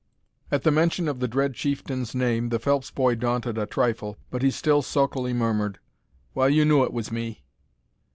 At the mention of the dread chieftain's name the Phelps boy daunted a trifle, but he still sulkily murmured, "Well, you knew it was me."